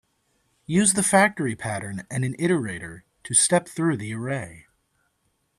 Use the factory pattern and an iterator to step through the array.